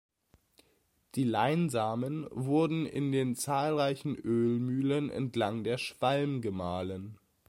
Die Leinsamen wurden in den zahlreichen Ölmühlen entlang der Schwalm gemahlen.